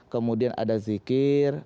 kemudian ada zikir